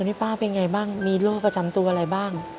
ตอนนี้ป้าเป็นอย่างไรบ้างมีโรคประจำตัวอะไรบ้าง